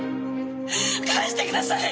帰してください！